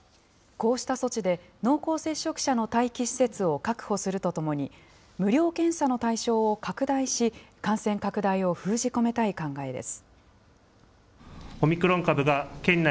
こうした措置で、濃厚接触者の待機施設を確保するとともに、無料検査の対象を拡大し、感染拡大を封じ込めたい考えです。